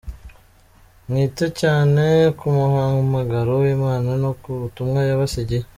Mwite cyane ku muhamagaro w’Imana no ku butumwa yabasigiye.